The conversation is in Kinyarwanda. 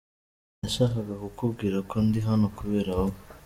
Nashakaga kukubwira ko ndi hano kubera wowe.